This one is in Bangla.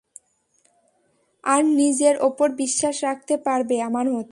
আর নিজের ওপর বিশ্বাস রাখতে পারবে, আমার মতো।